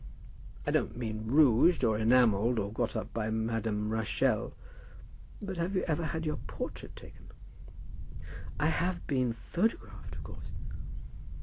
"I don't mean rouged, or enamelled, or got up by Madame Rachel; but have you ever had your portrait taken?" "I have been photographed, of course."